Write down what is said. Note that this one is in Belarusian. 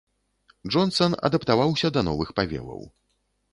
Джонсан адаптаваўся да новых павеваў.